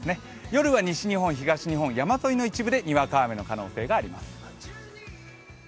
夜は西日本、東日本山沿いの一部でにわか雨の可能性があります。